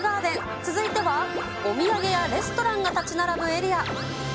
続いては、お土産やレストランが建ち並ぶエリア。